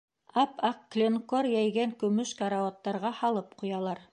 Ап-аҡ кленкор йәйгән көмөш карауаттарға һалып ҡуялар.